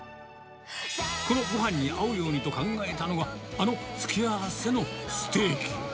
このごはんに合うようにと考えたのが、あの付け合わせのステーキ。